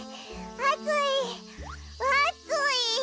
あついあつい。